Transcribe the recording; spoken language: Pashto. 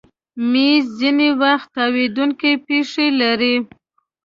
مېز ځینې وخت تاوېدونکی پښې لري.